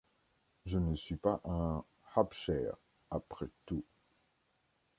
je ne suis pas un happe-chair, après tout.